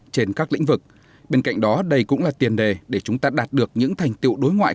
trên các lĩnh vực bên cạnh đó đây cũng là tiền đề để chúng ta đạt được những thành tiệu đối ngoại